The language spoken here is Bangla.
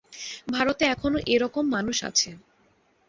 ভারতে এখনও এ-রকম মানুষ আছে।